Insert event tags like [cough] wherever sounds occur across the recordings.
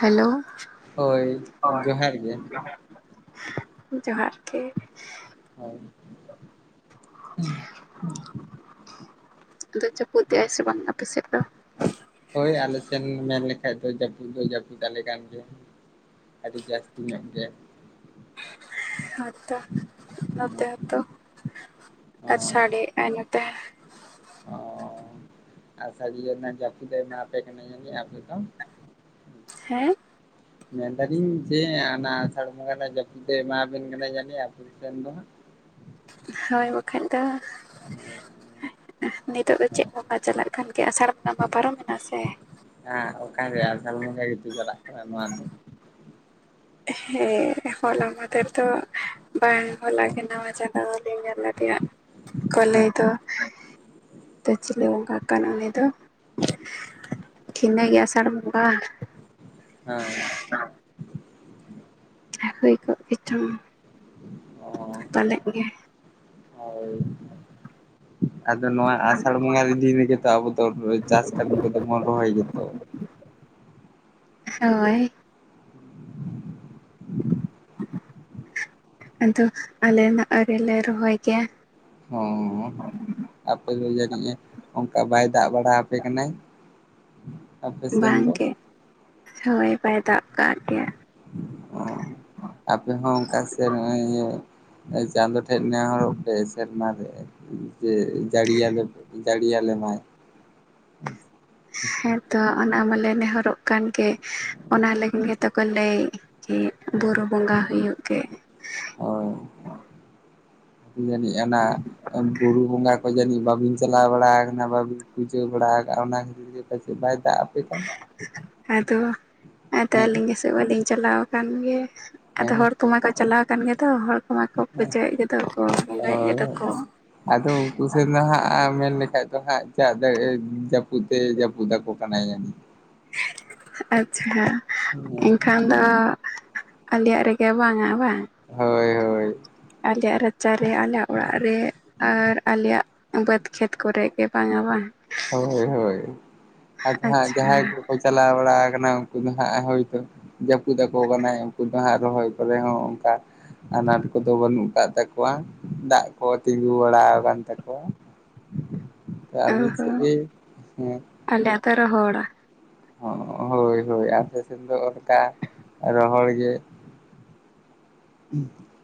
Hello ᱦᱳᱭ ᱡᱚᱦᱟᱨ ᱜᱮ ᱡᱚᱦᱟᱨ ᱜᱮ ᱦᱳᱭ [unintelligible] ᱟᱫᱚ ᱡᱟᱹᱯᱩᱫ ᱞᱮᱫ ᱥᱮ ᱵᱟᱝ ᱟᱯᱮ ᱥᱮᱫ ᱫᱚ ᱦᱳᱭ ᱟᱞᱮ ᱥᱮᱱ ᱢᱮᱱ ᱞᱮᱠᱷᱟ ᱫᱚ ᱡᱟᱹᱯᱩᱫ ᱫᱚ ᱡᱟᱹᱯᱩᱫ ᱟᱞᱮ ᱠᱟᱱ ᱜᱮ ᱟᱹᱰᱤ ᱡᱟᱹᱥᱛᱤ ᱧᱚᱜ ᱜᱮ ᱦᱚᱭᱛᱚ ᱱᱚᱛᱮ ᱦᱚᱸᱛᱚ ᱟᱨ ᱚ ᱥᱟᱰᱮ ᱟᱭᱼᱱᱚᱛᱮ ᱚ [unintelligible] [unintelligible] ᱦᱮᱸ ᱢᱮᱱ ᱫᱟᱞᱤᱧ ᱡᱮ ᱟᱱᱟ ᱟᱥᱟᱲ ᱵᱚᱸᱜᱟ ᱨᱮᱱᱟᱜ ᱡᱟᱹᱯᱩᱫ ᱫᱚ ᱮᱢᱟᱵᱤᱱ ᱠᱟᱱᱟ ᱵᱮᱱ ᱫᱚ ᱦᱳᱭ ᱵᱟᱠᱷᱟᱡ ᱫᱚ ᱱᱤᱛᱳᱜ ᱫᱚ ᱪᱮᱫ ᱵᱚᱸᱜᱟ ᱪᱟᱞᱟᱜ ᱠᱟᱱ ᱜᱮ ᱟᱥᱟᱲ ᱵᱚᱸᱜᱟ ᱢᱟ ᱯᱟᱨᱚᱢᱮᱱᱟ ᱥᱮ ᱦᱮ ᱚᱱᱠᱟᱜᱮ ᱟᱥᱟᱲ ᱵᱚᱸᱜᱟ [inaudible] ᱱᱚᱣᱟ ᱫᱚ ᱦᱮᱸ ᱦᱚᱞᱟ ᱢᱟᱫᱷᱮᱨ ᱫᱚ ᱵᱟᱝ ᱦᱚᱞᱟ ᱜᱮ ᱱᱟᱣᱟ ᱡᱟᱫᱟ ᱞᱮᱧ ᱧᱮᱞ ᱟᱫᱮᱭᱟ ᱠᱚᱞᱮ ᱦᱳᱭ ᱫᱚ ᱛᱚ ᱪᱤᱞᱮ ᱵᱚᱸᱜᱟ ᱠᱟᱱ ᱩᱱᱤ ᱫᱚ? ᱠᱷᱤᱱᱟᱹᱭ ᱜᱮ ᱥᱟ ᱵᱚᱸᱜᱟ ᱦᱮᱸ ᱦᱳᱭ ᱠᱚᱜ ᱜᱮᱪᱚᱝ ᱯᱟᱞᱮᱜ ᱜᱮ ᱦᱚᱭ ᱟᱫᱚ ᱱᱚᱣᱟ ᱟᱥᱟᱲ ᱵᱚᱸᱜᱟ ᱨᱮ ᱫᱤᱱ ᱨᱮᱜᱮᱛᱚ ᱟᱵᱚ ᱫᱚ ᱪᱟᱥ ᱠᱟᱹᱢᱤ ᱠᱚᱫᱚ ᱵᱚᱱ ᱨᱚᱦᱚᱭ ᱜᱮᱫᱚ ᱦᱳᱭ ᱟᱫᱚ ᱟᱞᱮ ᱢᱟ ᱟᱣᱨᱤ ᱞᱮ ᱨᱚᱦᱚᱭ ᱜᱮᱭᱟ ᱚ ᱟᱯᱮ ᱫᱚ ᱡᱟᱹᱱᱤᱡ ᱚᱱᱠᱟ ᱵᱟᱭ ᱫᱟᱜ ᱵᱟᱲᱟ ᱟᱯᱮ ᱠᱟᱱᱟᱭ ᱟᱯᱮ ᱥᱮᱱ ᱫᱚ ᱵᱟᱝᱜᱮ ᱦᱳᱭ ᱵᱟᱭ ᱫᱟᱜ ᱠᱟᱜ ᱜᱮᱭᱟ ᱚ ᱟᱯᱮ ᱦᱚᱸ ᱚᱱᱠᱟ ᱥᱮ ᱱᱚᱜᱼᱚᱭ ᱤᱭᱟᱹ ᱪᱟᱸᱫᱚ ᱴᱷᱮᱡ ᱱᱮᱦᱚᱨᱚᱜ ᱯᱮ ᱥᱮᱨᱢᱟ ᱨᱮ ᱡᱮ ᱡᱟᱹᱲᱤ ᱭᱟᱞᱮ ᱡᱟᱹᱲᱤ ᱭᱟᱞᱮ ᱢᱟᱭ ᱦᱮᱸᱛᱚ ᱚᱱᱟ ᱢᱟᱞᱮ ᱱᱮᱦᱚᱨᱚᱜ ᱠᱟᱱ ᱜᱮ ᱚᱱᱟ ᱞᱟᱹᱜᱤᱫ ᱜᱮᱛᱚ ᱠᱚ ᱞᱟᱹᱭ ᱩᱸᱜ ᱵᱩᱨᱩ ᱵᱚᱸᱜᱟ ᱦᱩᱭᱩᱜ ᱜᱮ ᱦᱳᱭ ᱡᱟᱹᱱᱤᱡ ᱟᱱᱟᱜ ᱵᱩᱨᱩ ᱵᱚᱸᱜᱟ ᱠᱚ ᱡᱟᱹᱱᱤᱡ ᱵᱟᱵᱤᱱ ᱪᱟᱞᱟᱣ ᱵᱟᱲᱟ ᱟᱠᱟᱱᱟ ᱵᱟᱵᱤᱱ ᱯᱩᱡᱟᱹ ᱵᱟᱲᱟ ᱟᱠᱟᱜ ᱚᱱᱟ ᱠᱷᱟᱹᱛᱤᱨ ᱛᱮ ᱵᱟᱥᱮᱡ ᱵᱟᱭ ᱫᱟᱜ ᱟᱯᱮ ᱦᱮᱸ ᱟᱫᱚ ᱟᱫᱚ ᱟᱹᱞᱤᱧ ᱜᱮᱥᱮ ᱵᱟᱹᱞᱤᱧ ᱪᱟᱞᱟᱣ ᱟᱠᱟᱱ ᱜᱮ ᱟᱫᱚ ᱦᱮᱸ ᱦᱚᱲ ᱠᱚ ᱦᱮᱸ ᱢᱟᱠᱚ ᱪᱟᱞᱟᱣ ᱟᱠᱟᱱ ᱜᱮ ᱛᱚ ᱦᱚᱲ ᱠᱚ ᱢᱟᱠᱚ ᱯᱩᱡᱟᱹᱭ ᱮᱫ ᱜᱮᱫᱚ ᱠᱚ ᱵᱚᱸᱜᱟᱭ ᱮᱫ ᱜᱮᱫᱚ ᱠᱚ ᱟᱠᱩ ᱥᱮ ᱫᱚ ᱦᱟᱸᱜ ᱢᱮᱱ ᱞᱮᱠᱟᱱᱡ ᱫᱚ ᱦᱟᱸᱜ ᱪᱟᱜ ᱫᱚᱭ ᱡᱟᱹᱯᱩᱫ ᱡᱟᱹᱯᱩᱫ ᱟᱠᱚ ᱠᱟᱱᱟᱭ ᱡᱟᱹᱱᱤᱡ ᱠᱤ ᱟᱪᱷᱟ ᱮᱱᱠᱷᱟᱱ ᱫᱚ ᱟᱞᱮᱭᱟᱜ ᱨᱮᱜᱮ ᱵᱟᱝ ᱟ ᱵᱟᱝ ᱦᱳᱭ ᱦᱳᱭ ᱟᱞᱮᱭᱟᱜ ᱨᱟᱪᱟᱨᱮ ᱟᱞᱮᱭᱟᱜ ᱚᱲᱟᱜ ᱨᱮ ᱟᱨ ᱟᱞᱮᱭᱟᱜ ᱵᱟᱹᱫᱽ ᱠᱷᱮᱛ ᱠᱚᱨᱮ ᱜᱮ ᱵᱟᱝ ᱟ ᱵᱟᱝ ᱦᱳᱭ ᱦᱳᱭ ᱟᱫᱚ ᱦᱟᱸᱜ ᱟᱪᱪᱷᱟ ᱡᱟᱦᱟᱸ ᱠᱚᱠᱚ ᱪᱟᱞᱟᱣ ᱵᱟᱲᱟ ᱟᱠᱟᱱᱟ ᱩᱱᱠᱩ ᱫᱚ ᱦᱟᱸᱜ ᱦᱳᱭᱛᱚ ᱡᱟᱹᱯᱩᱫ ᱟᱠᱚ ᱠᱟᱱᱟᱭ ᱩᱱᱠᱩ ᱫᱚ ᱦᱟᱸᱜ ᱨᱚᱦᱚᱭ ᱠᱚ ᱨᱮ ᱦᱚᱸ ᱚᱱᱠᱟ ᱟᱱᱟᱴ ᱠᱚᱫᱚ ᱵᱟᱹᱱᱩᱜ ᱟᱠᱟᱫ ᱛᱟᱠᱚᱣᱟ᱾ ᱫᱟᱜ ᱠᱚ ᱛᱤᱸᱜᱩ ᱵᱟᱲᱟ ᱟᱠᱟᱱ ᱛᱟᱠᱚᱣᱟ᱾ [inaudible] ᱟᱵᱤᱱ ᱥᱮᱫ ᱜᱤ ᱦᱮᱸ ᱟᱞᱮ ᱟᱛᱳ ᱨᱮ ᱦᱚᱲ ᱦᱳᱭ ᱦᱳᱭ ᱟᱯᱮ ᱥᱮᱱ ᱫᱚ ᱚᱱᱠᱟ ᱨᱚᱦᱚᱲ ᱜᱮ [inaudible] ᱦᱮᱸ [inaudible]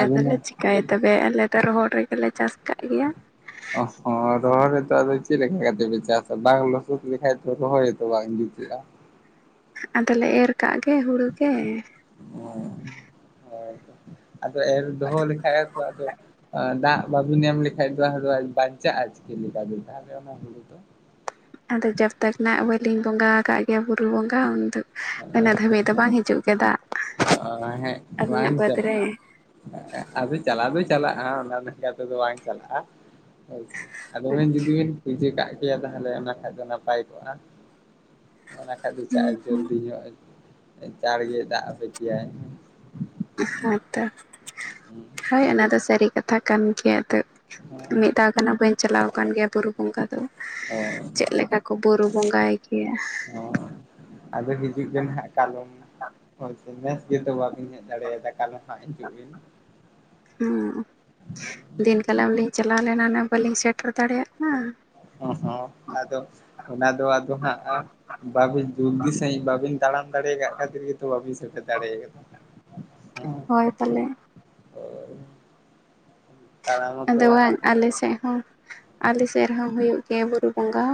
ᱟᱫᱚ ᱞᱮ ᱪᱤᱠᱟᱭᱟ ᱛᱚᱵᱮ ᱟᱞᱮ ᱫᱚ ᱨᱚᱦᱚᱲ ᱨᱮᱜᱮ ᱞᱮ ᱪᱟᱥ ᱠᱟᱜ ᱜᱮᱭᱟ [inaudible] ᱚᱸᱦ ᱚ ᱨᱚᱦᱚᱲ ᱨᱮᱫᱚ ᱟᱫᱚ ᱪᱮᱫ ᱞᱮ ᱞᱮᱠᱟ ᱠᱟᱛᱮ ᱯᱮ ᱪᱟᱥᱟ? ᱵᱟᱝ ᱞᱚᱥᱚᱫ ᱞᱮᱠᱷᱟᱡ ᱛᱚ ᱨᱚᱦᱚᱭ ᱦᱚᱸᱛᱚ ᱵᱟᱝ ᱡᱩᱛᱩᱜᱼᱟ ᱟᱫᱚ ᱞᱮ ᱮᱨ ᱠᱟᱜ ᱜᱮ ᱦᱩᱲᱩ ᱜᱮ ᱦᱚᱭ ᱛᱚ ᱟᱫᱚ ᱮᱨ ᱫᱚᱦᱚ ᱞᱮᱠᱷᱟᱡ ᱦᱮᱸ ᱛᱚ ᱟᱫᱚ ᱫᱟᱜ ᱵᱟᱵᱤᱱ ᱮᱢ ᱞᱮᱠᱷᱟᱡ ᱫᱚ ᱦᱟᱸᱜ ᱵᱟᱧᱪᱟᱜᱼᱟ ᱪᱤᱠᱟᱹ ᱞᱮᱠᱟ ᱛᱮ ᱛᱟᱦᱚᱞᱮ ᱚᱱᱟ ᱦᱩᱲᱩ ᱫᱚ? ᱟᱫᱚ ᱡᱟᱵᱛᱟᱠ ᱵᱟᱞᱤᱧ ᱵᱚᱸᱜᱟ ᱟᱠᱟᱫ ᱜᱮᱭᱟ ᱵᱩᱨᱩ ᱵᱚᱸᱜᱟ ᱚᱱᱛᱮ ᱫᱚ ᱩᱱᱟᱹᱜ ᱫᱷᱟᱹᱵᱤᱡ ᱫᱚ ᱵᱟᱝ ᱦᱤᱡᱩᱜ ᱜᱮᱭᱟ ᱫᱟᱜ ᱚ ᱦᱮᱸ ᱟᱹᱞᱤᱧᱟᱜ ᱵᱟᱝ ᱵᱟᱹᱫᱽ ᱪᱟᱞᱟᱜᱼᱟ ᱨᱮ ᱟᱫᱚ ᱪᱟᱞᱟᱜᱣ ᱫᱚ ᱪᱟᱞᱟᱜᱼᱟ ᱚᱱᱟ ᱞᱮᱠᱟ ᱛᱮᱫᱚ ᱵᱟᱝ ᱪᱟᱞᱟᱜᱼᱟ ᱟᱪᱷᱟ ᱟᱫᱚ ᱵᱤᱱ ᱡᱩᱫᱤ ᱵᱤᱱ ᱤᱡᱟᱹ ᱠᱟᱜ ᱠᱮᱭᱟ ᱛᱟᱦᱚᱞᱮ ᱚᱱᱟ ᱠᱷᱟᱱ ᱫᱚ ᱱᱟᱯᱟᱭ ᱠᱚᱜᱼᱟ ᱚᱱᱟ ᱠᱷᱟᱱ ᱫᱚ ᱪᱟᱜ ᱡᱚᱞᱫᱤ ᱧᱚᱜ ᱪᱟᱲ ᱜᱮ ᱫᱟᱜ ᱟᱯᱮ ᱠᱮᱭᱟᱭ ᱦᱮᱸ ᱛᱚ ᱦᱩᱸ ᱾ ᱦᱳᱭ ᱚᱱᱟ ᱫᱚ ᱥᱟᱹᱨᱤ ᱠᱟᱛᱷᱟ ᱠᱟᱱ ᱜᱮᱭᱟ ᱟᱫᱚ ᱢᱤᱫ ᱫᱷᱟᱣ ᱜᱟᱱ ᱦᱟᱸᱜ ᱵᱟᱹᱧ ᱪᱟᱞᱟᱣ ᱟᱠᱟᱱ ᱜᱮᱭᱟ ᱵᱩᱨᱩ ᱾ ᱚᱝᱠᱟ ᱫᱚ ᱦᱳᱭ ᱪᱮᱜ ᱞᱮᱠᱟ ᱠᱚ ᱵᱩᱨᱩ ᱵᱚᱸᱜᱟᱭ ᱜᱮᱭᱟ ᱾ ᱦᱳᱭ ᱟᱫᱚ ᱦᱤᱡᱩᱜ ᱵᱮᱱ ᱦᱟᱸᱜ ᱠᱟᱞᱚᱢ ᱾ ᱦᱳᱭ ᱥᱮ ᱱᱮᱥ ᱜᱮᱛᱚ ᱵᱟᱵᱤᱱ ᱦᱮᱡ ᱫᱟᱲᱮᱭᱟᱫᱟ ᱠᱟᱞᱚᱢ ᱦᱟᱸᱜ ᱦᱤᱡᱩᱜ ᱵᱤᱱ ᱾ ᱦᱩᱸ ᱫᱤᱱ ᱠᱟᱞᱚᱢ ᱞᱤᱧ ᱪᱟᱞᱟᱣ ᱞᱮᱱᱟ ᱚᱱᱮ ᱠᱟᱹᱞᱤᱧ ᱥᱮᱴᱮᱨ ᱫᱟᱲᱮᱭᱟᱜᱼᱟ ᱾ ᱚᱸᱦᱚᱸ ᱟᱫᱚ ᱚᱱᱟ ᱫᱚ ᱟᱫᱚ ᱦᱟᱸᱜᱼᱟ ᱵᱟᱹᱵᱤᱱ ᱡᱩᱞᱫᱤ ᱥᱟᱺᱦᱤᱡ ᱵᱟᱹᱵᱤᱱ ᱛᱟᱲᱟᱢ ᱫᱟᱲᱮ ᱠᱟᱜ ᱠᱷᱟᱹᱛᱤᱨ ᱜᱮᱛᱚ ᱵᱟᱹᱵᱤᱱ ᱥᱮᱴᱮᱨ ᱫᱟᱲᱮ ᱠᱟᱫᱟ ᱦᱮᱸ ᱦᱳᱭ ᱛᱟᱞᱮ ᱦᱳᱭ ᱛᱟᱲᱟᱢ ᱢᱟᱛᱚ ᱟᱫᱚ ᱵᱟᱝ ᱟᱞᱮ ᱥᱮᱫ ᱦᱚᱸ ᱟᱞᱮ ᱥᱮᱫ ᱨᱮᱦᱚᱸ ᱦᱩᱭᱩᱜ ᱜᱮᱭᱟ ᱵᱩᱨᱩ ᱵᱚᱸᱜᱟ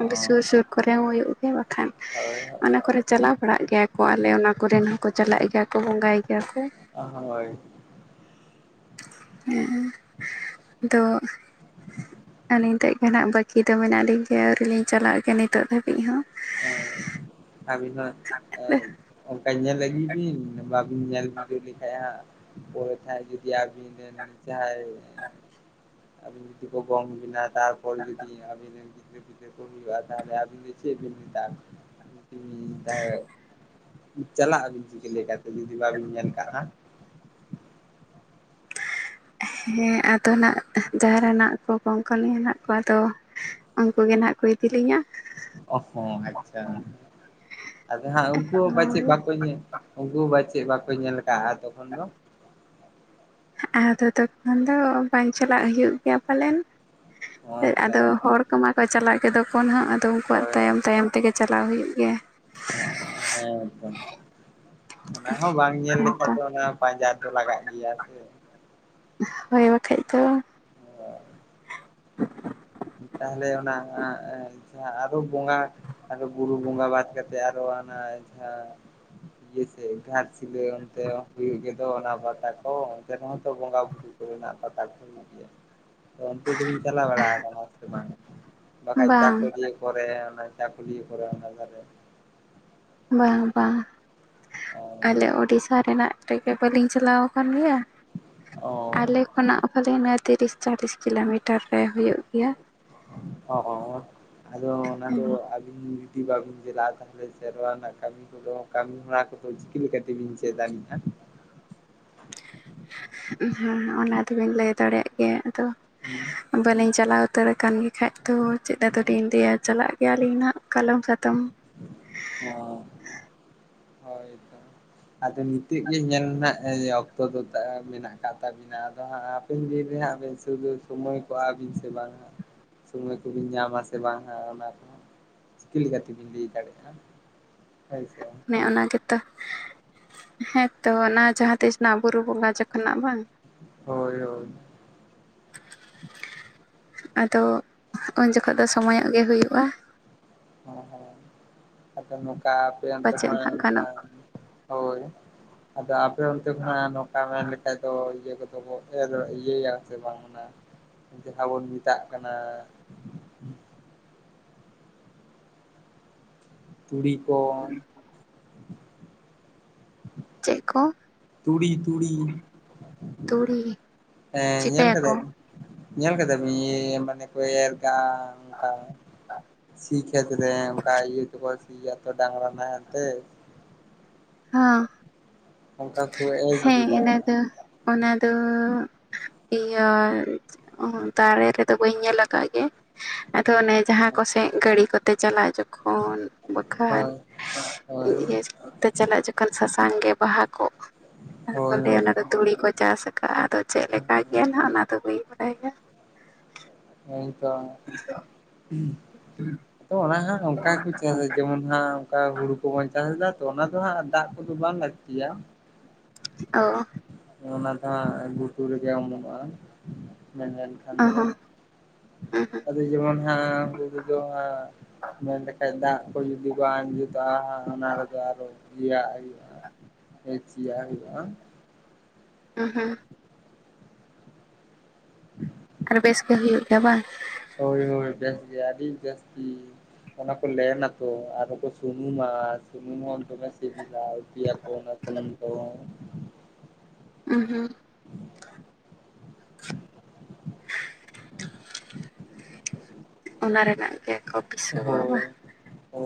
ᱚᱸᱰᱮ ᱥᱩᱨ ᱥᱩᱨ ᱠᱚᱨᱮ ᱦᱚᱸ ᱦᱩᱭᱩᱜ ᱜᱮᱭᱟ ᱵᱟᱠᱷᱟᱱ ᱦᱟᱸᱜ ᱚᱱᱟ ᱠᱚᱨᱮ ᱪᱟᱞᱟᱣ ᱯᱟᱲᱦᱟᱜ ᱜᱮᱭᱟ ᱠᱚ ᱟᱞᱮ ᱚᱱᱟ ᱠᱚᱨᱮᱱ ᱦᱚᱸᱠᱚ ᱪᱟᱞᱟᱜ ᱜᱮᱭᱟ ᱠᱚ ᱵᱚᱸᱜᱟᱭ ᱜᱮᱭᱟ ᱠᱚ ᱳ ᱦᱳᱭ ᱦᱮᱸᱜ ᱮ ᱟᱫᱚ ᱟᱹᱞᱤᱧ ᱛᱮᱜ ᱱᱟᱦᱟᱜ ᱵᱟᱹᱠᱤ ᱫᱚ ᱢᱮᱱᱟᱜ ᱞᱤᱧ ᱜᱮᱭᱟ ᱟᱹᱣᱨᱤ ᱞᱤᱧ ᱪᱟᱞᱟᱜ ᱜᱮᱭᱟ ᱱᱤᱛᱚᱜ ᱫᱷᱟᱹᱵᱤᱡ ᱦᱚᱸ ᱾ ᱚᱸ ᱟᱹᱵᱤᱱ ᱦᱟᱸᱜ ᱮ ᱚᱱᱠᱟ ᱧᱮᱞ ᱟᱹᱜᱩᱭ ᱵᱤᱱ ᱵᱟᱵᱤᱱ ᱧᱮᱞ ᱵᱤᱡᱟᱹᱣ ᱞᱮᱠᱷᱟᱡ ᱦᱟᱜ ᱯᱚᱨᱮ ᱛᱮ ᱦᱟᱜ ᱡᱚᱫᱤ ᱟᱵᱤᱱ ᱨᱮᱱ ᱡᱟᱦᱟᱸᱭ ᱟᱹᱵᱤᱱ ᱡᱩᱫᱤ ᱠᱚ ᱜᱚᱝ ᱵᱤᱱᱟ ᱛᱟᱨᱯᱚᱨ ᱡᱩᱫᱤ ᱟᱹᱵᱤᱱ ᱨᱤᱱ ᱜᱤᱫᱽᱨᱟᱹ ᱯᱤᱫ ᱠᱚ ᱦᱩᱭᱩᱜᱼᱟ ᱛᱟᱦᱚᱞᱮ ᱟᱵᱤᱱ ᱫᱚ ᱪᱮᱫ ᱵᱤᱱ ᱦᱟᱛᱟᱣ [unintelligible] ᱪᱟᱞᱟᱜ ᱟᱹᱵᱤᱱ ᱪᱤᱠᱟᱹ ᱞᱮᱠᱟ ᱛᱮ ᱡᱩᱫᱤ ᱵᱟᱵᱤᱱ ᱧᱮᱞ ᱠᱟᱜ ᱠᱷᱟᱱ ᱾ ᱦᱮᱸ ᱟᱫᱚ ᱱᱟᱸᱜ ᱡᱟᱦᱟᱸ ᱨᱮᱱᱟᱜ ᱠᱚ ᱜᱳᱝ ᱠᱟᱞᱤᱧᱟ ᱱᱟᱜ ᱠᱚ ᱟᱫᱚ ᱩᱱᱠᱩ ᱜᱮ ᱱᱦᱟᱜ ᱠᱩ ᱠᱤᱨᱤᱧᱟ ᱾ ᱚᱸᱦ-ᱦᱚᱸ ᱟᱪᱪᱷᱟ, ᱟᱫᱚ ᱦᱟᱸᱜ ᱩᱱᱠᱩ ᱦᱚᱸ ᱯᱟᱪᱮᱜ ᱦᱳᱭ ᱵᱟᱠᱚ ᱧᱮ ᱩᱱᱠᱩ ᱵᱟᱪᱮᱫ ᱵᱟᱠᱚ ᱧᱮᱞ ᱟᱠᱟᱜᱼᱟ ᱛᱚᱠᱷᱚᱱ ᱫᱚ? ᱟᱫᱚ ᱛᱚᱠᱷᱚᱱ ᱫᱚ ᱵᱟᱝ ᱪᱟᱞᱟᱜ ᱦᱩᱭᱩᱜ ᱜᱮᱭᱟ ᱯᱟᱞᱮᱱ ᱾ ᱦᱚᱸ ᱟᱫᱚ ᱦᱚᱸ ᱦᱚᱲ ᱠᱚᱢᱟ ᱠᱚ ᱪᱟᱞᱟᱜ ᱜᱚ ᱫᱚ ᱠᱚᱦᱟᱸᱜ ᱟᱫᱚ ᱩᱱᱠᱩᱣᱟᱜ ᱦᱳᱭ ᱛᱟᱭᱚᱢ ᱛᱟᱭᱚᱢ ᱛᱮᱜᱮ ᱪᱟᱞᱟᱣ ᱦᱩᱭᱩᱜ ᱜᱮᱭᱟ ᱦᱮᱸᱛᱚ ᱚᱱᱟ ᱦᱚᱸ ᱵᱟᱝ ᱧᱮᱞ ᱞᱮᱠᱷᱟᱡ ᱦᱮᱸᱛᱚ ᱫᱚ ᱚᱱᱟ ᱯᱟᱸᱡᱟ ᱫᱚ ᱞᱟᱜᱟᱜ ᱜᱮᱭᱟ ᱥᱮ ᱦᱳᱭ ᱵᱟᱠᱷᱟᱡ ᱫᱚ [unintelligible] ᱛᱟᱦᱞᱮ ᱚᱱᱟ ᱡᱟᱦᱟᱸ ᱟᱨᱚ ᱵᱚᱸᱜᱟ ᱟᱨᱚ ᱵᱩᱨᱩ ᱵᱚᱸᱜᱟ ᱵᱟᱫ ᱠᱟᱛᱮ ᱟᱨᱚ ᱚᱱᱟ ᱡᱟᱦᱟᱸ ᱤᱭᱟᱹ ᱥᱮ ᱜᱷᱟᱴᱥᱤᱞᱟᱹ ᱚᱱᱛᱮ ᱦᱩᱭᱩᱜ ᱚᱱᱟ ᱯᱟᱛᱟ ᱠᱚ ᱚᱱᱛᱮ ᱨᱮᱦᱚᱸᱛᱚ ᱵᱚᱸᱜᱟ ᱵᱩᱨᱩ ᱠᱚᱨᱮᱱᱟᱜ ᱯᱟᱛᱟ ᱠᱚ ᱦᱩᱭᱩᱜ ᱜᱮᱭᱟ [inaudible] ᱛᱚ ᱚᱱᱛᱮ ᱫᱟᱵᱮᱱ ᱪᱟᱞᱟ ᱵᱟᱲᱟ ᱢᱟᱥ ᱵᱟᱝ ᱵᱟᱠᱷᱟᱡ ᱵᱟᱝ ᱪᱟᱠᱩᱞᱤᱭᱟ, ᱠᱚᱨᱮ ᱚᱱᱟ ᱪᱟᱠᱩᱞᱳᱭᱟᱹ ᱠᱚᱨᱮ ᱚᱱᱟᱠᱚᱨᱮ ᱵᱟᱝ ᱵᱟᱝ ᱚ ᱟᱞᱮ ᱳᱰᱤᱥᱥᱟ ᱨᱮᱱᱟᱜ ᱵᱟᱹᱞᱤᱧ ᱪᱟᱞᱟᱣ ᱟᱠᱟᱱ ᱜᱮᱭᱟ ᱟᱞᱮ ᱚ ᱠᱷᱚᱱᱟᱜ ᱠᱷᱟᱹᱞᱤ ᱱᱚᱣᱟ ᱛᱤᱨᱤᱥ ᱪᱟᱞᱤᱥ ᱠᱤᱞᱳᱢᱤᱴᱟᱨ ᱨᱮ ᱦᱩᱭᱩᱜ ᱜᱮᱭᱟ ᱚ ᱟᱫᱚ ᱚᱱᱟ ᱫᱚ ᱡᱩᱫᱤ ᱵᱟᱵᱤᱱ ᱪᱟᱞᱟᱜᱼᱟ ᱛᱟᱦᱚᱞᱮ ᱥᱮᱨᱣᱟ ᱨᱮᱱᱟᱜ ᱠᱟᱹᱢᱤ ᱠᱚᱫᱚ ᱠᱟᱹᱢᱤ ᱦᱚᱨᱟ ᱠᱚ ᱪᱤᱠᱤ ᱛᱮᱵᱤᱱ ᱪᱮᱫ ᱫᱟᱲᱮᱭᱟᱜ-ᱟ ᱦᱮᱸ ᱚᱱᱟ ᱛᱚᱵᱮᱱ ᱞᱟᱹᱭ ᱫᱟᱲᱮᱭᱟᱜ ᱜᱮᱭᱟ ᱟᱫᱚ ᱦᱮᱸ ᱵᱟᱹᱞᱤᱧ ᱪᱟᱞᱟᱣ ᱩᱛᱟᱹᱨ ᱟᱠᱟᱱ ᱜᱮ ᱠᱷᱟᱡ ᱫᱚ ᱪᱮᱠᱟᱛᱮᱞᱤᱧ ᱞᱟᱹᱭ ᱟ ᱪᱟᱞᱟᱜ ᱧᱮᱞ ᱟᱹᱞᱤᱧ ᱦᱟᱜ ᱠᱟᱞᱚᱢ ᱥᱟᱛᱚᱢ [unintelligible] ᱦᱳᱭ ᱛᱚ ᱟᱫᱚ ᱱᱤᱛᱚᱜ ᱜᱮ ᱧᱮᱞ ᱨᱮᱱᱟᱜ ᱚᱠᱛᱚ ᱫᱚ ᱢᱮᱱᱟᱜ ᱠᱟᱫ ᱛᱟᱢᱮᱱᱟᱜᱼᱟ ᱟᱫᱚ ᱦᱟᱸᱜ ᱟᱵᱮᱱ ᱨᱮᱵᱮᱱ ᱥᱩᱫᱩ ᱥᱚᱢᱚᱭ ᱠᱚᱜ ᱵᱤᱱ ᱥᱮ ᱵᱟᱝ ᱥᱚᱢᱚᱭ ᱠᱚᱵᱤᱱ ᱧᱟᱢᱟ ᱥᱮ ᱵᱟᱝᱟ ᱚᱱᱟ ᱨᱮᱦᱚᱸ ᱪᱤᱠᱟᱹ ᱞᱮᱠᱟ ᱛᱮᱵᱤᱱ ᱞᱟᱹᱭ ᱫᱟᱲᱮᱭᱟᱜᱼᱟ ᱟᱪᱪᱷᱟ ᱚᱱᱮ ᱚᱱᱟ ᱜᱮᱛᱚ ᱦᱮᱸ ᱛᱚ ᱚᱱᱟ ᱡᱟᱦᱟᱸ ᱛᱤᱥ ᱨᱮᱱᱟᱜ ᱵᱩᱨᱩ ᱵᱚᱸᱜᱟ ᱡᱚᱠᱷᱚᱱᱟᱜ ᱵᱟᱝ ᱦᱳᱭ ᱦᱳᱭ ᱟᱫᱚ ᱩᱱ ᱡᱚᱠᱷᱚᱱ ᱫᱚ ᱥᱚᱢᱚᱭᱚᱜ ᱜᱮ ᱦᱩᱭᱩᱜᱼᱟ ᱦᱮ ᱦᱮ ᱟᱫᱚ ᱱᱚᱝᱠᱟ ᱟᱯᱮᱭᱟ ᱚᱱᱛᱮ ᱯᱟᱪᱮᱫ ᱠᱷᱚᱱ ᱦᱟᱸᱜ ᱚᱱᱠᱟ ᱜᱟᱱᱚᱜ ᱦᱳᱭ ᱟᱫᱚ ᱟᱯᱮ ᱚᱱᱛᱮ ᱠᱷᱚᱱᱟᱜ ᱱᱚᱝᱠᱟ ᱢᱮᱱ ᱞᱮᱠᱷᱟᱡ ᱫᱚ ᱤᱭᱟᱹ ᱠᱚᱫᱚ ᱚ ᱤᱭᱟᱹᱭᱟ ᱥᱮ ᱵᱟᱝ ᱚᱱᱟ ᱡᱟᱦᱟᱸ ᱵᱚᱱ ᱢᱮᱛᱟᱜ ᱠᱟᱱᱟ ᱛᱩᱲᱤ ᱠᱚ ᱪᱮᱫ ᱠᱚ? ᱛᱩᱲᱤ-ᱛᱩᱲᱤ ᱛᱩᱲᱤ ᱦᱮᱸ ᱧᱮᱞ ᱠᱮᱫᱟ ᱪᱤᱠᱟᱹᱭᱟᱠᱚ ᱧᱮᱞ ᱠᱮᱫᱟ ᱵᱤ ᱤᱭᱮᱻ ᱢᱟᱱᱮ ᱠᱚ ᱮᱨ ᱫᱟ ᱚᱱᱠᱟ ᱥᱤ ᱠᱷᱮᱛ ᱨᱮ ᱚᱱᱠᱟ ᱤᱭᱟᱹ ᱛᱮᱠᱚ ᱤᱭᱟᱹ ᱛᱮ ᱰᱟᱝᱨᱟ ᱱᱟᱦᱮᱞ ᱛᱮ ᱾ ᱦᱮᱸ ᱤᱱᱟᱹ ᱫᱚ [unintelligible] ᱚᱱᱟ ᱫᱚ ᱤᱭᱟᱹ ᱫᱟᱲᱮ ᱨᱮᱫᱚ ᱵᱟᱹᱧ ᱧᱮᱞ ᱟᱠᱟᱫ ᱜᱮ ᱟᱫᱚ ᱚᱱᱮ ᱡᱟᱦᱟᱸ ᱠᱚᱥᱮᱫ ᱜᱟᱹᱲᱤ ᱠᱚᱛᱮ ᱪᱟᱞᱟᱜ ᱡᱚᱠᱷᱚᱱ ᱵᱟᱠᱷᱟᱱ ᱦᱳᱭ ᱦᱳᱭ ᱤᱭᱟᱹ ᱛᱮ ᱪᱟᱞᱟᱜ ᱡᱚᱠᱷᱚᱱ ᱥᱟᱥᱟᱝ ᱜᱮ ᱵᱟᱦᱟ ᱟ ᱠᱚ ᱦᱳᱭ ᱞᱟᱹᱭᱟ ᱦᱳᱭ ᱚᱱᱟ ᱫᱚ ᱛᱩᱲᱤ ᱠᱚ ᱪᱟᱥ ᱟᱠᱟᱜ-ᱟ ᱟᱫᱚ ᱪᱮᱫ ᱞᱮᱠᱟ ᱜᱮᱭᱟ ᱱᱟᱦᱱᱟᱜ ᱚᱱᱟ ᱫᱚ ᱵᱟᱹᱧ ᱵᱟᱲᱟᱭᱟ ᱦᱮᱸᱛᱚ ᱟᱫᱚ ᱚᱱᱟᱦᱚᱜ ᱱᱚᱝᱠᱟ ᱜᱮᱠᱚ ᱪᱟᱥᱟ ᱡᱮᱢᱚᱱ ᱦᱟᱸᱜ ᱚᱱᱠᱟ ᱦᱩᱲᱩ ᱠᱚᱵᱚᱱ ᱪᱟᱥ ᱮᱫᱟ ᱛᱚ ᱚᱱᱟ ᱫᱚ ᱦᱟᱸᱜ ᱫᱟᱜ ᱠᱚᱫᱚ ᱵᱟᱝ ᱞᱟᱹᱠᱛᱤᱭᱟ ᱚ ᱚᱱᱟ ᱫᱚ ᱦᱟᱸᱜ ᱜᱷᱩᱴᱩ ᱨᱮᱜᱮ [unintelligible] ᱢᱮᱱᱟᱜ-ᱟ ᱟᱱ ᱫᱚ ᱚᱦᱚᱸ ᱩᱦᱩᱸ ᱟᱫᱚ ᱡᱮᱢᱚᱱ ᱦᱟᱸᱜ ᱩᱱᱠᱩ ᱫᱚ ᱢᱮᱱ ᱞᱮᱠᱷᱟᱡ ᱫᱟᱜ ᱠᱚ ᱡᱩᱫᱤ ᱠᱚ ᱟᱸᱡᱮᱛᱟ ᱚᱱᱟ ᱨᱮᱫᱚ ᱟᱨᱚ ᱤᱭᱟᱹ ᱟᱜ ᱦᱩᱭᱩᱜᱼᱟ ᱾ ᱦᱮᱪ ᱥᱤᱭᱟᱜ ᱦᱩᱭᱩᱜ-ᱟ ᱾ ᱩᱸᱦ-ᱦᱩᱸ ᱾ [unintelligible] ᱟᱨ ᱵᱮᱥ ᱜᱮ ᱦᱩᱭᱩᱜ ᱜᱮᱭᱟ ᱵᱟᱝ? ᱦᱳᱭ ᱦᱳᱭ ᱵᱮᱥ ᱜᱮᱭᱟ ᱟᱹᱰᱤ ᱡᱟᱹᱥᱛᱤ ᱚᱱᱟ ᱠᱚ ᱞᱮᱱ ᱟᱠᱚ ᱟᱨ ᱠᱚ ᱥᱩᱱᱩᱢᱟ, ᱥᱩᱱᱩᱢ ᱦᱚᱸ ᱫᱚᱢᱮ ᱥᱤᱵᱤᱞᱟ ᱩᱛᱩᱭᱟ ᱠᱚ ᱾ ᱚᱱᱟ [unintelligible] ᱩᱸᱦ-ᱦᱩᱸ ᱾ ᱚᱱᱟ ᱨᱮᱱᱟᱜ ᱜᱮᱠᱚ ᱯᱤᱥᱟᱹᱣᱟ ᱵᱟ ᱚ ᱾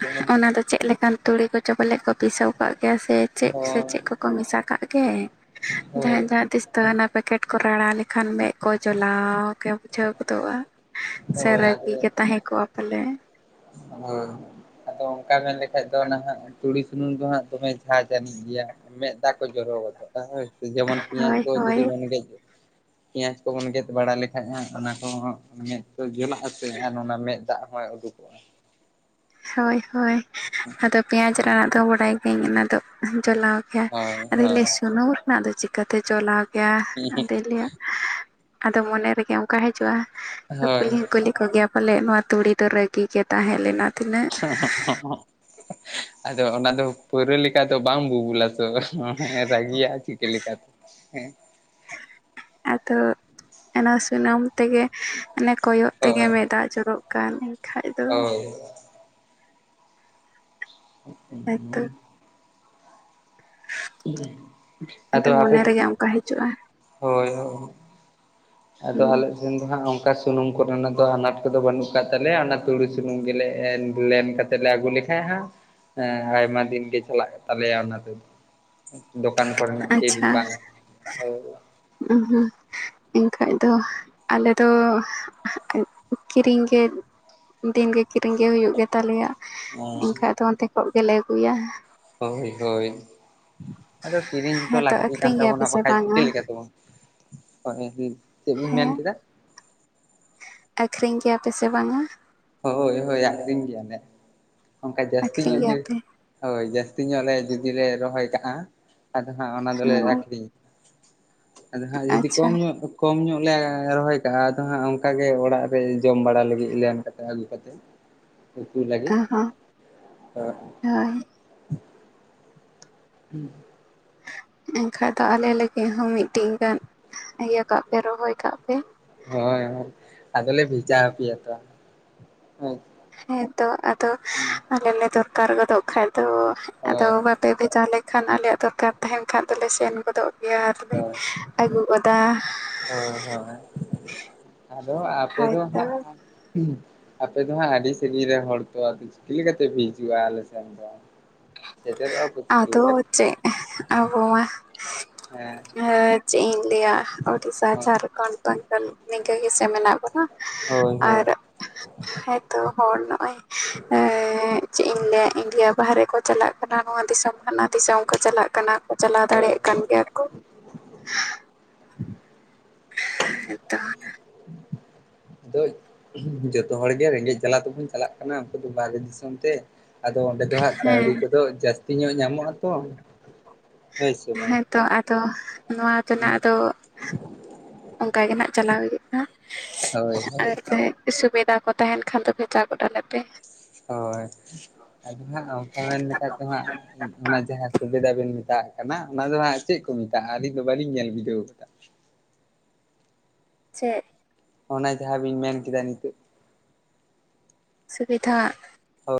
ᱡᱮᱢᱚᱱ ᱚᱱᱟ ᱫᱚ ᱪᱮᱫ ᱞᱮᱠᱟᱱ ᱛᱩᱲᱤ ᱠᱚᱪᱚ ᱯᱟᱞᱮ ᱠᱚ ᱯᱤᱥᱟᱹᱣ ᱠᱟᱜ ᱜᱮᱭᱟ ᱥᱮ ᱪᱮᱜ ᱥᱮ ᱦᱳᱭ ᱪᱮᱜ ᱠᱚᱠᱚ ᱢᱮᱥᱟ ᱠᱟᱜ ᱜᱮ ᱦᱳᱭ ᱡᱟᱦᱟᱸᱭ ᱡᱟᱦᱟᱸ ᱛᱤᱥ ᱛᱚ ᱚᱱᱟ ᱯᱮᱠᱮᱴ ᱠᱚ ᱨᱟᱲᱟ ᱞᱮᱠᱷᱟᱱ ᱢᱮᱫ ᱠᱚ ᱪᱚᱞᱟᱣ ᱜᱮ ᱵᱩᱡᱷᱟᱹᱣ ᱜᱚᱫᱚᱜᱼᱟ, ᱥᱮ ᱦᱳᱭ ᱟᱫᱚ ᱨᱟᱹᱜᱤ ᱜᱮ ᱛᱟᱦᱮᱸ ᱠᱚᱜᱼᱟ ᱯᱟᱞᱮ? [unintelligible] ᱚᱝᱠᱟ ᱢᱮᱱ ᱞᱮᱠᱷᱟᱡ ᱫᱚ ᱱᱟᱦᱟᱜ ᱛᱩᱲᱤ ᱥᱩᱱᱩᱢ ᱫᱚᱦᱟᱸᱜ ᱫᱚᱢᱮ ᱡᱷᱟᱹᱡᱽ ᱟᱹᱱᱤᱡ ᱜᱮᱭᱟ ᱾ ᱢᱮᱜ ᱫᱟᱜ ᱠᱚ ᱡᱚᱨᱚ ᱜᱚᱫᱚᱜ-ᱟ ᱦᱳᱭ ᱥᱮ ᱡᱮᱢᱚᱱ ᱯᱮᱸᱭᱟᱡ ᱦᱳᱭ ᱠᱚ ᱦᱳᱭ ᱡᱩᱫᱤ ᱵᱚᱱ ᱜᱮᱜ ᱯᱮᱸᱭᱟᱡᱽ ᱠᱚᱵᱚᱱ ᱜᱮᱫ ᱵᱟᱲᱟ ᱞᱮᱠᱟᱱ ᱚᱱᱟ ᱠᱚᱦᱚᱸ ᱢᱮᱫ ᱫᱚ ᱡᱚᱞᱟᱜ ᱟᱥᱮ ᱟᱨ ᱚᱱᱟ ᱢᱮᱫ ᱫᱟᱜ ᱦᱚᱸᱭ ᱩᱰᱩᱠᱚᱜᱼᱟ ᱦᱳᱭ ᱦᱳᱭ ᱦ [unintelligible] ᱟᱫᱚ ᱯᱮᱸᱭᱟᱡᱽ ᱨᱮᱱᱟᱜ ᱫᱚ ᱵᱟᱰᱟᱭ ᱜᱮᱹᱧ ᱚᱱᱟ ᱫᱚ ᱡᱚᱞᱟᱣ ᱜᱮᱭᱟ ᱦᱳᱭ ᱟᱫᱚ ᱞᱟ, ᱦᱳᱭ ᱭ ᱤᱧ ᱥᱩᱱᱩᱢ ᱨᱮᱱᱟ ᱫᱚ ᱪᱤᱠᱟᱹᱠᱟ ᱪᱤᱠᱟ, ᱛᱮ ᱡᱚᱞᱟᱣ ᱜᱮᱭᱟ ᱟᱫᱚᱭ ᱞᱟᱹᱭᱟ ᱟᱫᱚ ᱢᱚᱱᱮ ᱨᱮᱜᱮ ᱚᱱᱠᱟ ᱦᱤᱡᱩᱜᱼᱟ ᱦᱚ ᱦᱳᱭ ᱠᱩᱞᱤ ᱦᱚᱧ ᱠᱩᱞᱤ ᱠᱚ ᱜᱮᱭᱟ ᱯᱟᱞᱮ ᱱᱚᱣᱟ ᱛᱩᱲᱤ ᱫᱚ ᱨᱟᱹᱜᱤ ᱜᱮ ᱛᱟᱦᱮ ᱞᱮᱱᱟ ᱛᱤᱱᱟᱹᱜ [unintelligible] ᱟᱫᱚ ᱚᱱᱟ ᱫᱚ ᱯᱟᱹᱣᱨᱟᱹ ᱞᱮᱠᱟ ᱫᱚ ᱵᱟᱝ ᱵᱩᱵᱩᱞᱟ ᱛᱚ ᱨᱟᱹᱜᱤᱭᱟ ᱪᱤᱠᱟᱹ ᱞᱮᱠᱟᱛᱮ ᱦᱮᱸ ᱾ ᱟᱛᱚ ᱚᱱᱟ ᱥᱩᱱᱩᱢ ᱛᱮᱜᱮ ᱟᱱᱮ ᱠᱚᱭᱚᱜ ᱛᱮᱜᱮ ᱦᱳᱭ ᱢᱮ ᱫᱟᱜ ᱡᱚᱨᱚᱜ ᱠᱟᱱ ᱮᱱᱠᱷᱟᱡ ᱫᱚ ᱦᱳᱭ [unintelligible] ᱦᱳᱭ ᱛᱚ ᱟᱫᱚ ᱟᱯᱮ ᱢᱚᱱᱮ ᱫᱚ, ᱨᱮᱜᱮ ᱚᱱᱠᱟ ᱦᱤᱡᱩᱜᱼᱟ ᱦᱳᱭ ᱦᱳᱭ ᱾ ᱟᱫᱚ ᱦᱩᱸ ᱟᱞᱮ ᱥᱮᱱ ᱫᱚ ᱦᱟᱸᱜ ᱚᱱ ᱚᱱᱠᱟ ᱥᱩᱱᱩᱢ ᱠᱚᱨᱮᱱᱟᱜ ᱫᱚ ᱟᱱᱟᱴ ᱠᱚᱫᱚ ᱵᱟᱹᱱᱩᱜ ᱠᱟᱫ ᱛᱟᱞᱮᱭᱟ ᱚᱱᱟ ᱛᱩᱲᱤ ᱥᱩᱱᱩᱢ ᱜᱮᱞᱮ ᱮ ᱵᱩ ᱞᱮᱱ ᱠᱟᱛᱮ ᱞᱮ ᱟᱹᱜᱩ ᱞᱮ ᱦᱮᱸ ᱦᱮᱸ ᱟᱭᱢᱟ ᱫᱤᱱ ᱜᱮ ᱪᱟᱞᱟᱜ ᱛᱟᱞᱮᱭᱟ ᱚᱱᱟ ᱛᱮᱫᱚ ᱾ ᱫᱚᱠᱟᱱ ᱠᱚᱨᱮᱱᱟᱜ ᱠᱮ [inaudible] ᱫᱤᱱ ᱵᱟᱝ ᱦᱩᱸ ᱮᱱᱠᱷᱟᱡ ᱫᱚ ᱟᱞᱮ ᱫᱚ ᱠᱤᱨᱤᱧ ᱜᱮ ᱫᱤᱱ ᱜᱮ ᱼᱼ ᱠᱤᱨᱤᱧ ᱜᱮ ᱦᱩᱭᱩᱜ ᱜᱮ ᱛᱟᱞᱮᱭᱟ ᱮᱱᱠᱷᱟᱡ ᱦᱳᱭ ᱫᱚ ᱚᱱᱛᱮ ᱠᱚᱡ ᱜᱮᱞᱮ ᱟᱹᱜᱩᱭᱟ ᱦᱳᱭ ᱦᱳᱭ ᱟᱫᱚ ᱠᱤᱨᱤᱧ ᱦᱚᱛᱚ ᱦᱮᱸᱛᱚ ᱞᱟᱹᱠᱛᱤ ᱠᱟᱱ ᱟᱹᱠᱷᱨᱤᱧ ᱜᱮᱭᱟᱯᱮ ᱛᱟᱵᱚᱱᱟ ᱥᱮ ᱵᱟᱠᱷᱟᱡ ᱪᱤᱠᱟᱹ ᱵᱟᱝᱟ ᱞᱮᱠᱟ ᱛᱮᱵᱚᱱᱼᱼ ᱦᱚᱭ [inaudible] ᱪᱮᱫ ᱵᱤᱱ ᱢᱮᱱ ᱦᱮᱸ ᱠᱮᱫᱟ ᱟᱹᱠᱷᱨᱤᱧ ᱠᱮᱭᱟᱯᱮ ᱥᱮ ᱵᱟᱝ -ᱟ ᱦᱳᱭ ᱦᱳᱭ ᱟᱹᱠᱷᱨᱤᱧ ᱜᱮᱭᱟᱞᱮ ᱚᱝᱠᱟ ᱡᱟᱹᱥᱛᱤ ᱟᱹᱠᱷᱨᱤᱧ ᱧᱚᱜ ᱡᱚᱫᱤᱼᱼ ᱜᱮᱭᱟᱯᱮ ᱦᱳᱭ ᱡᱟᱹᱥᱛᱤ ᱧᱚᱜ ᱞᱮ ᱡᱩᱫᱤ ᱞᱮ ᱨᱚᱦᱚᱭ ᱠᱟᱜᱼᱟ ᱟᱫᱚ ᱦᱟᱸᱜ ᱚᱱᱟ ᱫᱚᱞᱮ ᱦᱳᱭ ᱟᱠᱷᱨᱤᱧᱟ ᱟᱫ ᱦᱟᱜ ᱡᱩᱫᱤ ᱟᱪᱪᱷᱟ ᱠᱚᱢ ᱧᱚᱜ ᱠᱚᱢ ᱧᱚᱜ ᱞᱮ ᱨᱚᱦᱚᱭ ᱠᱟᱜᱼᱟ ᱟᱫᱚ ᱦᱟᱸᱜ ᱚᱱᱠᱟ ᱜᱮ ᱚᱲᱟᱜ ᱨᱮ ᱡᱚᱢ ᱵᱟᱲᱟ ᱞᱟᱹᱜᱤᱫ ᱞᱮᱱ ᱟᱹᱜᱩ ᱠᱟᱛᱮᱫ ᱩᱛᱩ ᱞᱟᱹᱜᱤᱫ ᱚ ᱦᱚᱸ ᱦᱳᱭ ᱦᱮᱸ ᱮᱱᱠᱷᱟᱡ ᱫᱚ ᱟᱞᱮ ᱞᱟᱹᱜᱤᱫ ᱦᱚᱸ ᱢᱤᱫᱴᱤᱡ ᱜᱟᱱ ᱤᱭᱟᱹ ᱠᱟᱜ ᱯᱮ ᱨᱚᱦᱚᱭ ᱠᱟᱜ ᱯᱮ ᱦᱳᱭ ᱦᱳᱭ ᱟᱫᱚ ᱞᱮ ᱵᱷᱮᱡᱟ ᱟᱯᱮᱭᱟ ᱛᱚ ᱦᱮᱸ ᱛᱚ ᱟᱫᱚ ᱦᱮᱸ ᱟᱞᱮ ᱞᱮ ᱫᱚᱨᱠᱟᱨ ᱜᱚᱫᱚᱜ ᱠᱷᱟᱡ ᱫᱚ ᱟᱫᱚ ᱦᱳᱭ ᱵᱷᱮᱡᱟ ᱞᱮ ᱠᱷᱟᱱ ᱟᱞᱮᱭᱟᱜ ᱫᱚᱨᱠᱟᱨ ᱛᱟᱦᱮᱸᱱ ᱠᱷᱟᱱ ᱫᱚ ᱞᱮ ᱥᱮᱱ ᱜᱚᱫᱚᱜᱼᱟ ᱜᱮᱭᱟ ᱛᱚᱵᱮ ᱟᱹᱜᱩ ᱜᱚᱫᱟ ᱦᱳᱭ ᱦᱳᱭ ᱟᱫᱚ ᱟᱯᱮ ᱫᱚ ᱦᱚᱭᱛᱚ ᱦᱟᱸᱜ ᱟᱯᱮ ᱫᱚ ᱦᱟᱸᱜ ᱟᱹᱰᱤ ᱥᱟᱺᱜᱤᱧ ᱨᱮᱱ ᱦᱚᱲ ᱛᱚ ᱪᱤᱠᱟ, ᱠᱟᱛᱮ ᱯᱮ ᱦᱤᱡᱩᱼᱟ ᱟᱞᱮ ᱥᱮ ᱫᱚ ᱥᱮᱴᱮᱨᱚᱜᱼᱟ ᱯᱮ ᱪᱤᱠᱟᱹ ᱟᱫᱚ ᱞᱮᱠᱟᱛᱮ ᱪᱮ ᱟᱵᱚᱢᱟ ᱦᱮᱸ ᱦᱮᱸ ᱪᱮᱫ ᱤᱧ ᱞᱟᱹᱭᱟ ᱩᱲᱤᱥᱥᱟ ᱦᱳᱭ ᱡᱷᱟᱲᱠᱷᱚᱸᱰ ᱵᱮᱜᱚᱞ ᱱᱤᱜᱟᱹ ᱜᱮ ᱥᱮ ᱢᱮᱱᱟᱜ ᱵᱚᱱᱟ ᱦᱳᱭ ᱦᱳᱭ ᱟᱨ [unintelligible] ᱦᱚᱭᱛᱚ ᱦᱚᱲ ᱱᱚᱜᱼᱚᱭ ᱪᱮᱫ ᱤᱧ ᱞᱟᱹᱭᱟ ᱤᱱᱰᱤᱭᱟ ᱵᱟᱦᱨᱮ ᱠᱚ ᱪᱟᱞᱟᱜ ᱦᱟᱱᱟ ᱱᱚᱣᱟ ᱫᱤᱥᱚᱢ ᱦᱟᱱᱟ ᱫᱤᱥᱚᱢ ᱠᱚ ᱪᱟᱞᱟᱜ ᱠᱟᱱᱟ ᱠᱚ ᱪᱟᱞᱟᱣ ᱫᱟᱲᱮᱭᱟᱜ ᱠᱟᱱ ᱦᱳᱭ ᱜᱮᱭᱟ ᱠᱚ [unintelligible] ᱦᱮᱸ ᱛᱚ ᱟᱫᱚ ᱡᱚᱛᱚ ᱦᱚᱲ ᱜᱮ ᱨᱮᱸᱜᱮᱡ ᱡᱟᱞᱟ ᱛᱮᱵᱚᱱ ᱪᱟᱞᱟᱜ ᱠᱟᱱᱟ ᱩᱱᱠᱩ ᱫᱚ ᱵᱟᱦᱨᱮ ᱫᱤᱥᱚᱢ ᱛᱮ ᱟᱫᱚ ᱚᱸᱰᱮ ᱫᱚ ᱦᱟᱸᱜ ᱦᱮᱸ ᱠᱟᱹᱣᱰᱤ ᱠᱚᱫᱚ ᱡᱟᱹᱥᱛᱤ ᱧᱚᱜ ᱧᱟᱢᱚᱜ-ᱟ ᱛᱚ ᱦᱳᱭ ᱥᱮ ᱵᱟᱝ ᱦᱮᱸᱛᱚ ᱟᱫᱚ ᱱᱚᱣᱟ ᱛᱮᱱᱟᱜ ᱫᱚ ᱚᱱᱠᱟ ᱜᱮ ᱱᱟᱜ ᱪᱟᱞᱟᱣ ᱤᱫᱤᱜ ᱠᱟᱱᱟ ᱦᱳᱭ ᱦᱳᱭ ᱟᱨ ᱥᱩᱵᱤᱫᱟ ᱠᱚ ᱛᱟᱦᱮᱸᱱ ᱠᱷᱟᱱ ᱫᱚ ᱵᱷᱮᱡᱟ ᱜᱚᱫ ᱟᱞᱮ ᱯᱮ ᱦᱳᱭ ᱟᱫᱚ ᱦᱟᱜ ᱚᱱᱠᱟ ᱢᱮᱱ ᱞᱮᱠᱷᱟᱱ ᱫᱚ ᱦᱟᱸᱜ ᱚᱱᱟ ᱡᱟᱦᱟᱸ ᱥᱩᱵᱤᱫᱟ ᱵᱮᱱ ᱢᱮᱛᱟᱜ ᱠᱟᱱᱟ ᱚᱱᱟ ᱫᱚ ᱦᱟᱸᱜ ᱪᱮᱫ ᱠᱚ ᱢᱮᱛᱟᱜᱼᱟ ᱟᱹᱞᱤᱧ ᱫᱚ ᱵᱟᱹᱞᱤᱧ ᱧᱮᱞ ᱵᱤᱰᱟᱹᱣ ᱟᱠᱟᱫᱟ ᱪᱮᱫ ᱚᱱᱟ ᱡᱟᱦᱟᱸ ᱵᱤᱱ ᱢᱮᱱ ᱠᱮᱫᱟ ᱱᱤᱛᱚᱜ ᱥᱩᱵᱤᱫᱷᱟ ᱦᱳᱭ